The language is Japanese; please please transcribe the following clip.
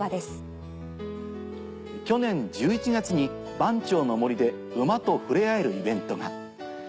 去年１１月に番町の森で馬とふれあえるイベントが。